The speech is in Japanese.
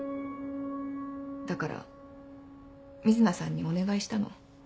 だから瑞奈さんにお願いしたの。